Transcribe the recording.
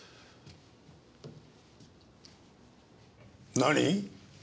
何？